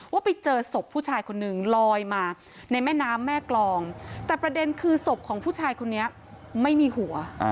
ว่าไปเจอศพผู้ชายคนนึงลอยมาในแม่น้ำแม่กรองแต่ประเด็นคือศพของผู้ชายคนนี้ไม่มีหัว